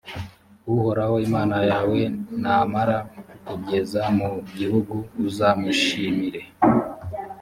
uhoraho imana yawe namara kukugeza mu gihugu, uzamushimire